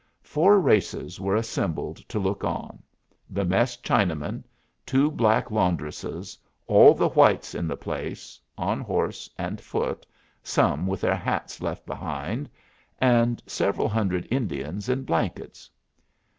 Four races were assembled to look on the mess Chinaman, two black laundresses, all the whites in the place (on horse and foot, some with their hats left behind), and several hundred Indians in blankets.